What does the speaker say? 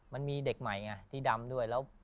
มันมีเด็กใหม่ไงที่ดำด้วยแล้ว